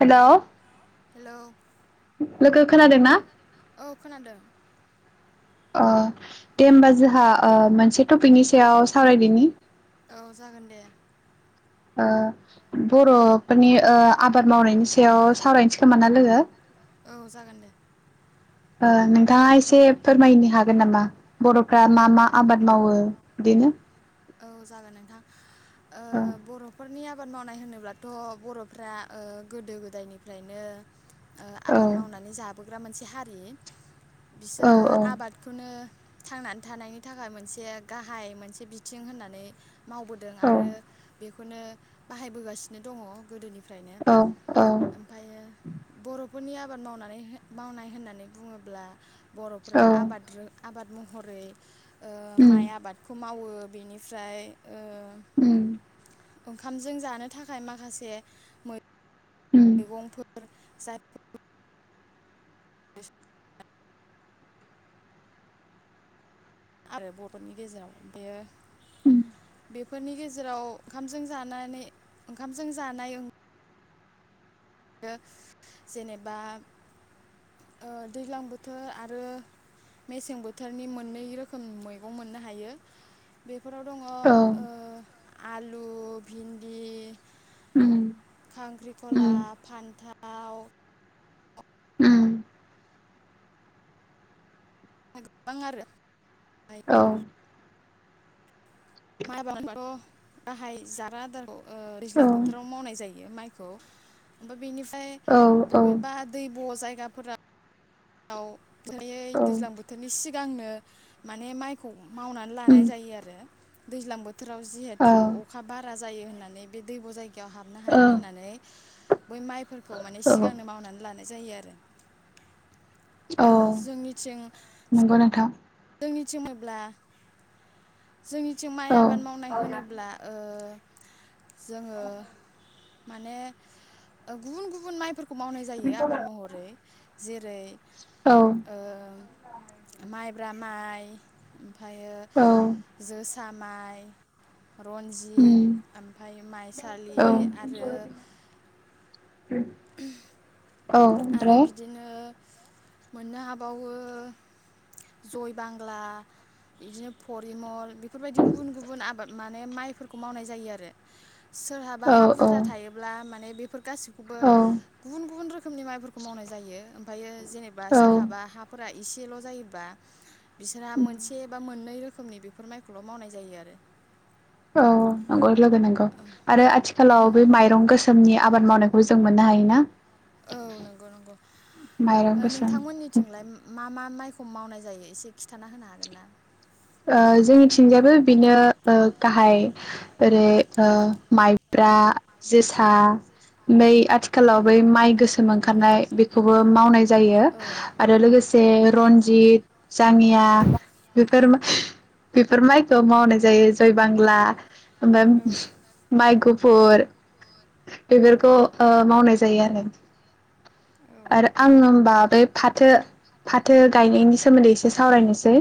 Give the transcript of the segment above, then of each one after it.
हेल' hello लोगो खोनादोंना? अ दे होमबा जोहा ओ से टपिकनि सायाव सावरायदिनि। ओ बर'फोरनि ओ आबाद मावनायनि सायाव सावरायनोसै खोमा ना लोगो? ओ नोंथाङा एसे फोरमायनि हागोन नामा बर'फ्रा मा मा आबाद मावो दिनो? ओ बर'फोरनिया आबाद मावनाय होनोब्लाथ' बर'फ्रा ओ गोदो गोदायनिफ्रायनो ओ आबाद मावनानै जाब बोग्रा मोनसे हारि। बिसोरो आबादखौनो थांनानै थानायनि थाखाय मोनसे गाहाय मोनसे बिथिं होननानै मावबोदों आरो बेखौ खौनो बाहायबोगासिनो दङ गोदोनि फ्रायनो औ ओमफायो बर' फोरनि आबाद मावनानै हो मावनाय होननानै बुङोब्ला बर'फोरा आबाद रो आबाद महरै ओ माइ आबादखौ मावो। ओ बेनिफ्राय ओंखामजों जानो थाखाय माखासे मै मैगंफोर [unintelligible] औ आरो बर'फोरनि गेजेराव बेयो बेफोरनि गेजेराव ओंखामजों जानानै ओंखामजों जानाय जेनेबा दैज्लां ओ बोथोर आरो मेसें बोथोरनि मोननै रोखोम मैगं मोननो हायो बेफोराव दं औ। आलु, भिन्दि खांख्रिखलाब [unintelligible] थाव गोबां आरो। औ। माइ आबादाथ' गाहाय जाग्रा आदारखौ ओ दैज्लां बोथोराव मावनाय जायो माइ [unintelligible] बिनिफाय बबेबा दैब' जायगा खुरा आव [unintelligible] दैज्लां बोथोरनि सि गांनो माने माइखौ मावनानै लानाय जायो आरो। दैज्लां बोथ फोराव जिहेतु अखा बारा जायो होन नानै बे दैब' जाय गायाव हाबनो हाया होननानै बै माइफोर खौ माने सिगांनो मावनानै लानाय जायो आरो। औ। थिं नोंगौ नोंथां। मिथिमोब्ला जोंनिथिं माइ आबाद मावनाय होनो ब्ला ओ जोङो माने गुबुन गुबुन माइफोर खौ मावनाय जायो आबाद महरै। जेरै ओ माइब्रा माइ ओमफायो जोसा माइ रनजित ओमफाय माइसा सालि आरो [inaudible] आरो बिदिनो मोननो हाबावो जय बांला बिदिनो फरिमल बेफोरबायदि गुबुन गुबुन आबाद माने माइफोरखौ मावनाय जायो आरो सोरहाबा हा बुरजा थायोब्ला माने बेफोर गासिखौबो गुबुन गुबुन रोखोमनि माइफोरखौ मावनाय जायो ओमफायो जेनेबा सोरहाबा हाफोरा एसेल' जायो बा बिसोरहा मोनसे बा मोननै रोखोमनि बेफोर माइखौल' मावनाय जायो आरो। औ [unintelligible] लोगो नंगौ आरो आथिखालाव बे माइरं गोसोमनि आबाद मावनायखौ जों मोन ना हायोना औ नंगौ नंगौ नोंथांमोननिथिंलाय मा मा माइखौ खौ मावनाय जायो एसे खिथाना होनो हागोन ना? ओ जोंनिथिंजायाबो बिनो ओ गाहाय ओरै ओ माइब्रा, जोसा बै आथिखालाव बै माइ गोसोम ओंखारनाय बेखौबो मावनाय जायो आरो लोगोसे रनजित, जामिया बेफोर बेफोर माइखौ मावनाय जायो जय बांला ओमफाय माइ गुफुर बेफोरखौ ओ मावनाय जायो आरो आं होमबा बे फाथो फाथो गायनायनि सा सोमोन्दै एसे सावरायनोसै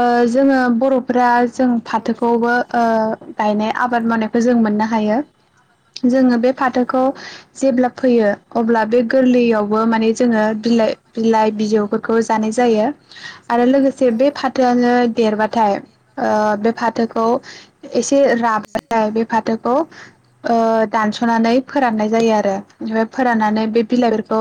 ओ जोङो बर'फोरा जों फाथोखौबो ओ गायनाय आबाद मावनायखौ जों मोननो हायो जोङो बे फाथोखौ जेब्ला फैयो अब्ला बे गोरलैयावबो माने जोङो बिलाइ बिलाइ बिजौफोरखौ जानाय जायो आरो लोगोसे बे फाथो देरबाथाय ओ बे फाथोखौ एसे राबाथाय बे फाथोखौ ओ दानस'नानै फोराननाय जायो आरो ओफ्राय फोराननानै बे बिलाइफोरखौ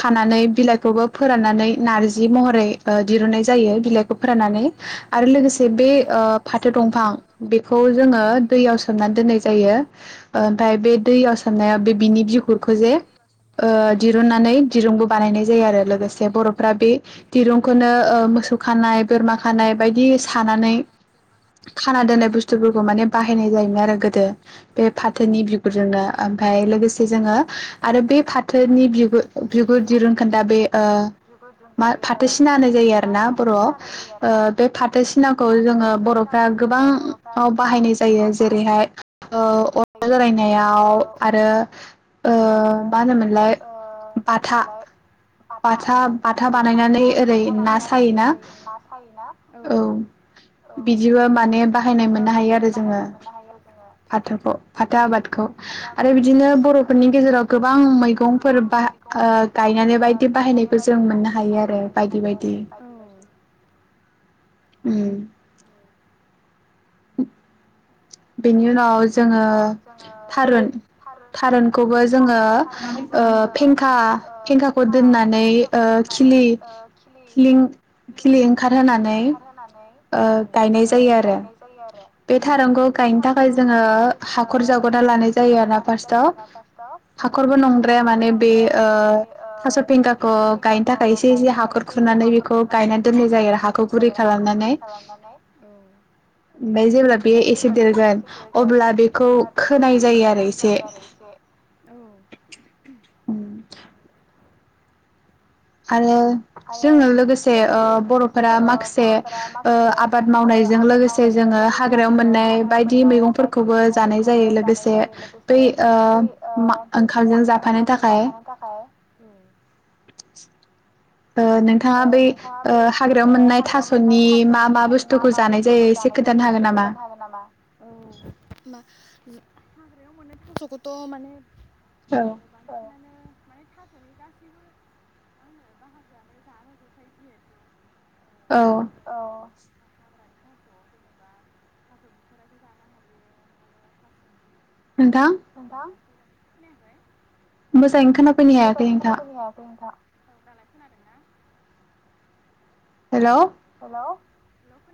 खानानै बिलाइफोरखौ फोराननानै नारजि महरै दिरुननाय जायो बिलाइ फोरानानै आरो लोगोसे बे ओ फाथो दंफां बेखौ जोङो दैयाव सोमनानै दोननाय जायो ओमफाय बे दैयाव सोम सोमनायाव बे बिनि बिगुरखौ जे ओ दिरुननानै दिरुंबो बानायनाय जायो आरो लोगोसे बर'फ्रा बे दिरुंखौनो ओ मोसौ खानाय बोरमा खानाय बायदि सानानै खाना दोननाय बुस्थुफोरखौ माने बाहायनाय जायोमोन आरो गोदो बे फाथोनि बिगुरजोंनो ओमफाय लोगोसे जोङो आरो बे फाथोनि बिुर बिगुर दिरुनखोन्दा बे ओ मा फाथोसिना होनाय जायो आरो ना बर'आव ओ बे फा बदिसिनाखौ जोङो बर'फ्रा गोबाङाव बाहायनाय जायो जेरैहाय ओ अर बेरायनायाव आरो मा होनोमोनलाय बाथा बाथा बाथा बानायनानै ओरै ना सायोना औ बिदिबो माने बाहायनाय मोननो हायो आरो जोङो फाथोखौ फाथो आबादखौ आरो बिदिनो बर'फोरनि गेजेराव गोबां मैगंफोर बा ओ गायनानै बायदि गायनानै बायदि बाहायनायखौ जों मोननो हायो आरो बायदि बायदि उम [inaudible] बेनि उनाव जोङो थारुन थारुनखौबो जोङो फेंखा- फेंखाखौ दोननानै खिलि-खिलिं-खिलि ओंखारहानै गायनाय जायो आरो बे थारुनखौ गायनो थाखाय जों गायनो थाखाय जोङो हाखर जाग्रोना लानाय जायो आरो ना फार्स्टाव हाखरबो नंद्राया माने बे थास' फंगाखौ गायनो थाखाय एसे एसे हाखर खुरनानै बेखौ गायना दोननाय जायो आरो हाखौ बुरि खालामनानै ओमफ्राय जेब्ला जागोन सोदेरगोन अब्ला बेखौ खोनाय जायो आरो एसे आरो आरो जोङो लोगोसे बर'फोरा माखासे आबाद मावनायजों लोगोसे जोङो हाग्रायाव मोननाय बायदि मैगंफोरखौबो जानाय जायो लोगोसे बै ओंखामजों जाफानो थाखाय [inaudible] नोंथाङा बै हाग्रायाव मोननाय थास'नि मा मा बुस्थुखौ जानाय जायो एसे खोनथानो हागोन नामा [inaudible] हाग्रायाव मोननाय थसौखौथ' माने [inaudible] ओ बांसिनानो माने था थासनि गासैबो मा होनो बाहागोआनो जाजाजोबखायो जिहेथु औ थास' जेनेबा थास' बिथ'राइखौ जानो हायो ओमफायो थास'नि नोंथां खोनायाखै? मोजाङैनो खोनाफैनो हायाखै नोंथा औ दालाय खोनादों ना? हेल' हेल' फिसा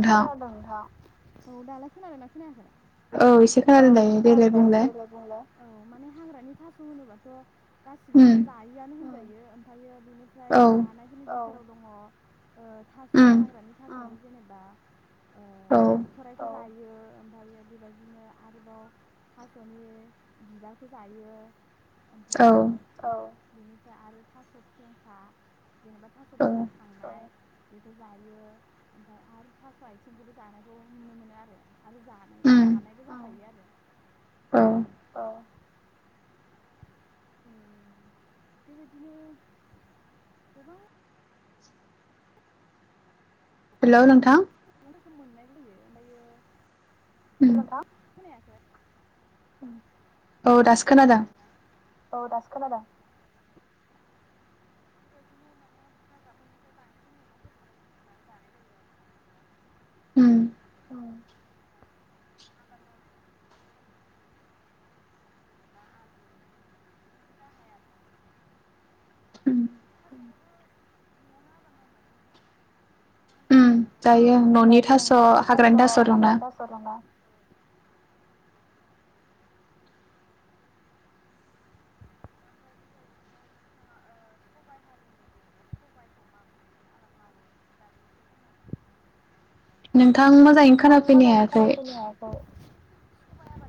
फिसा खोनादों नोंथां औ दालाय खोनादोंना खोनायाखै औ एसे खोनादों दायो देलाय बुंलाय औ माने हाग्रानि थास' होनोबाथ' [inaudible] गासिखौबो जायोआनो होनजायो बियो ओमफायो बिनिफ्राय जानायफोरनि बिथिराव दङ ओ थास'नि हाग्रानि उम जेनेबा ओ बिथरायखौ जायो बियो ओमफायो बेबायदिनो आरोबाव थास'नि बिबारखौ जायो ओमफायो औ बिनिफ्राय आरो थास' फेंखा जेनेबा थास' बेदर थांनाय बेखौ जायो ओमफाय आरो थास' आयथिंखौबो जानायखौ नुनो मोनो आरो आरो जानाय जानायबो जाखायो आरो औ उम बेबायदिनो गोबां हेल' नोंथा खुनुरोखोम मोननाय जायो ओमफ्रायो हेल नोंथां खोनायाखै ओं औ दासो खोनादों औ दासो खोनदों बेबायदिनो माने हाग्राफोरनिफ्राय बांसिन मैगंफोरखौनो बुथुमनानै जानाय जायो आरो बर'फोरा ओमफ्राय आबाद मावनायनि बिथसोरावथ' बेफोरनो जेनेबा आलु भेन्दि बेफोरनो गाहाय आरो थारुनखौबो न'आवनो आबाद मावनानै मा होनो जायो न'नि थास' हाग्रानि थास' दंना सबायाइ हारिनि जेनेबा सबायाइखौ माबोरै आबाद मावो बिनि बारैनोसो फोरमायनो हागोन नामा नोंथां मोजाङैनो खोनाफैनो हायाखै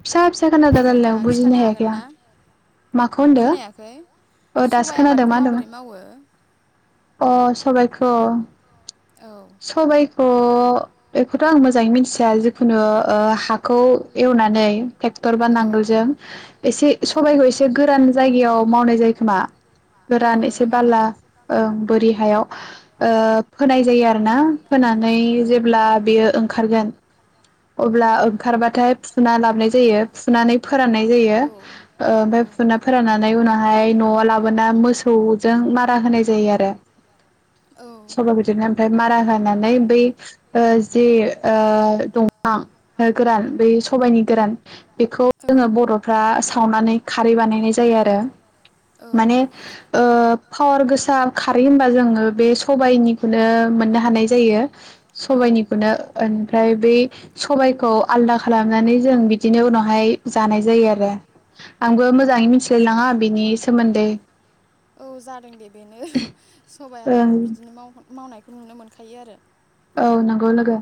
फिसा फिसा खोनादों रायलायनायखौ बुजिनो हायाखै आं माखौ होनदों ओ दासो खोनादों मा होनदों अ सबाखौ सबाय अ बेखौथ' आं मोजाङै मिथि जिखुनु ओ हाखौ एवनानै ट्रेक्टर बा नांगोल ज एसे सबाइखौ ए गोरान जायगायाव मावनाय जायो खोमा गोरान एसे बाला ओं बोरि हायाव ओ फोनाय जायो आरोना फोनानै जेब्ला बेयो ओंखारगोन अब्ला ओंखारबाथाय फुना लाबाय जायो जायो फुनानै फोराननाय जायो ओओमफाय फुना फोराननानै उनावहाय न'आव लाबोना मोसौजों मारा होनाय जायो आरो सबाय बादिनो ओमफाय मारा होनानै नाय बै ओ जि ओ गोरान बै सबाइनि गोरान बेखौ जोङो बर'फ्रा सावनानै खारै बानायनाय जायो आरो माने पावार गोसा खारै होनबा जोङो बे सबाइनिखौनो मोननो हानाय जायो। सबायनिखौनो ओनफ्राय बै सबबायखौ आलदा खालामनानै जों बिदिनो उनावहाय जानाय जायो आरो आंबो मोजाङै मिथिलायलाङा बिनि सोमोन्दै ओं खौ नुनो मोनखायो आरो। औ नंगौ लोगो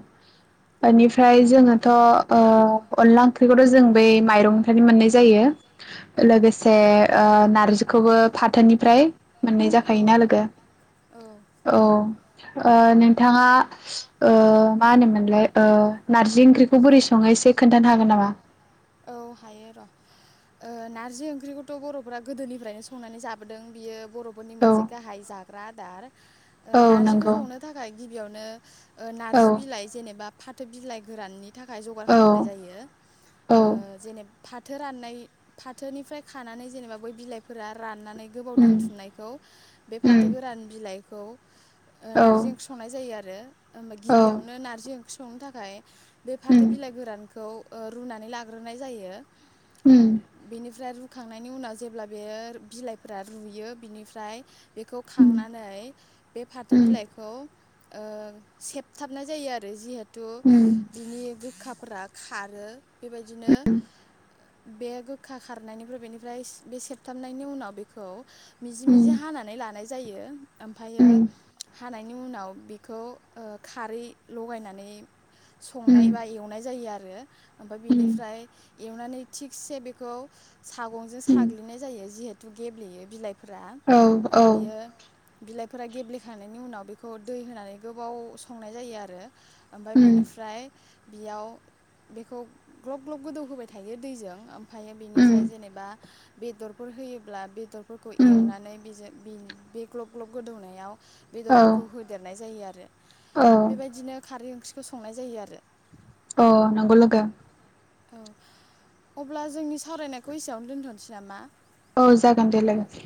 बेनिफ्राय जोङोथ' ओ अनला ओंख्रिखौथ' जों बै माइरंनिफ्रायनो मोननाय जायो। लोगोसे ओ नार्जिखौबो फाथोनिफ्राय मोननाय जाखायोना लोगो औ। ओ नोंथाङा ओ मा होनोमोनलाय ओ नार्जि ओंख्रिखौ बोरै सङो एसे खोन्थानो हागोन नामा? औ हायो र'ओ नारजि ओंख्रिखौथ' बर'फोरा गोदोनिफ्रायनो संनानै जाबोदों बियो बर'फोरनि मोनसे गाहाय जाग्रा आ दार। ओ नार्जिखौ संनो थाखाय गिबियावनो ओ नार्जि बिलाइ जेनेबा फाथो बिलाइ गोराननि थाखाय जगार खालामनाय जायो। ओ जेनेब फाथो राननाय फाथोनिफ्राय खानानै जेनेबा बै बिलाइफोरा रान नानै गोबाव दोनथुमनायखौ बे फाथो गोरान बिलाइ खौ ओ नार्जि ओंख्रि संनाय जायो आरो। ओम गिबियावनो नार्जि ओं संनो थाखाय बे फाथो बिलाइ गोरानखौ ओ रुनानै लाग ग्रोनाय जायो। बेनिफ्राय रु खांनायनि उनाव जेब्ला बे बिलाइफोरा रुयो बिनिफ्राय बेखौ खांनानै बे फाथो बिलाइखौ ओ सेबथाबनाय जायो आरो जिहे तु बिनि गोखाफोरा खा खारो। बेबायदिनो बे गोखा खारनायनिफ्राय बेनिफ्राय बे सेेबथाबनायनि उनाव बेखौ मिजि मिजि हानानै लानाय जायो। ओमफायो हानायनि उनाव बेखौ ओ खारै लगायनानै संनाय बा एवनाय जायो आरो। ओमफ्राय बिनिफ्राय एवनानै थिगसे बेखौ सागंजों साग्लिनाय जायो जिहेथु गेब्लेयो बिलाइ फोरा ओमफायो बिलाइफोरा गेब्लेखांनायनि उनाव बेखौ दै होनानै गोबाव संनाय जायो आरो। ओमफाय बेनिफ्राय बेयाव बे खौ ग्लब ग्लब गोदौहोबाय थायो दैजों ओमफायो बेनिफ्राय जेनेबा बेदरफोर होयोब्ला बेदरफोरखौ एवनानै बेजों बे ग्लब ग्लब गोदौनायाव बेदरफोरखौ होदेरनाय जायो आरो बेबायदिनो खारै ओंख्रि खौ संनाय जायो आरो। अ नंगौ लोगो। औ अब्ला जोंनि सावरायनायखौ एसेयावनो दोनथ'नोसै नामा? औ जागोन दे लोगो।